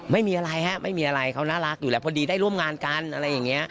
ไม่มีอะไรฮะไม่มีอะไรเขาน่ารักอยู่แล้วพอดีได้ร่วมงานกันอะไรอย่างนี้